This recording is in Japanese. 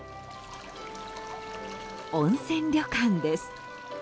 温泉旅館です。